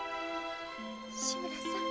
志村さん。